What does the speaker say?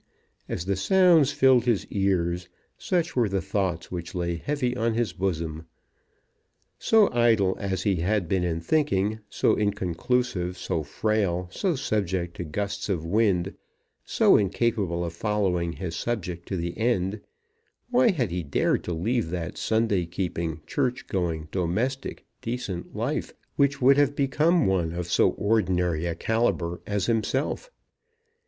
As the sounds filled his ears, such were the thoughts which lay heavy on his bosom. So idle as he had been in thinking, so inconclusive, so frail, so subject to gusts of wind, so incapable of following his subject to the end, why had he dared to leave that Sunday keeping, church going, domestic, decent life, which would have become one of so ordinary a calibre as himself?